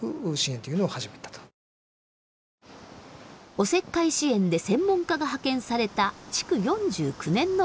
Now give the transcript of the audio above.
おせっかい支援で専門家が派遣された築４９年のマンションです。